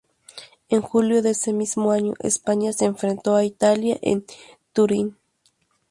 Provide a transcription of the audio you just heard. En julio de ese mismo año, España se enfrentó a Italia, en Turín.